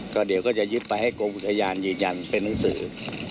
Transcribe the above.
ก็เดี๋ยวก็จะยึดไปให้โกงพุทธญาณยืนยันเป็นนักสื่อ